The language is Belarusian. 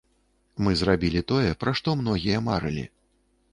Мы зрабілі тое, пра што многія марылі.